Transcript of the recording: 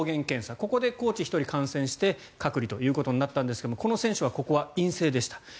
ここで、コーチ１人感染して隔離ということになったんですがこの選手はここは陰性でした。